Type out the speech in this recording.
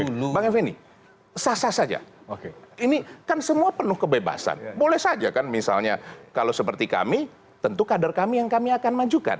oke bang effendi sah sah saja ini kan semua penuh kebebasan boleh saja kan misalnya kalau seperti kami tentu kader kami yang kami akan majukan